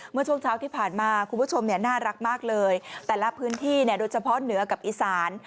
เมื่อช่วงเช้าที่ผ่านมาคุณผู้ชมเนี่ยน่ารักมากเลยแต่ละพื้นที่เนี่ยโดยเฉพาะเหนือกับอีสาน